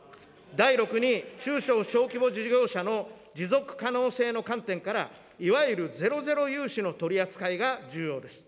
第六に、中小小規模事業者の持続可能性の観点から、いわゆるゼロゼロ融資の取り扱いが重要です。